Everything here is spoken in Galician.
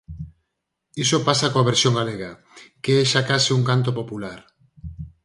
Iso pasa coa versión galega, que é xa case un canto popular.